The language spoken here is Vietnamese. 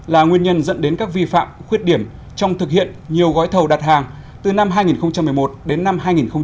là nguyên nhân dẫn đến các vi phạm khuyết điểm trong thực hiện nhiều gói thầu đặt hàng từ năm hai nghìn một mươi một đến năm hai nghìn một mươi bảy